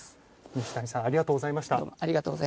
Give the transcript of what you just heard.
西谷さんありがとうございました。